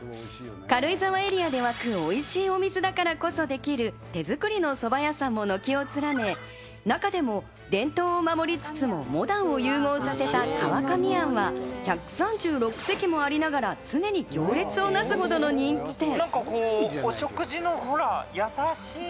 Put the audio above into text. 軽井沢エリアで湧くおいしいお水だからこそできる手づくりの蕎麦屋さんも軒を連ね、中でも伝統を守りつつも、モダンを融合させた川上庵は１３６席もありながら常に行列をなすほどの人気店。